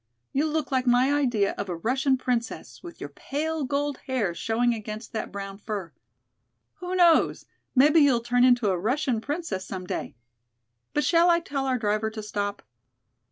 You look like my idea of a Russian princess, with your pale gold hair showing against that brown fur. Who knows, maybe you'll turn into a Russian princess some day! But shall I tell our driver to stop?"